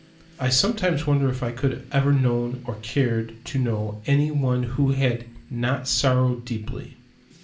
I sometimes wonder if I could ever have known or cared to know any one who had not sorrowed deeply.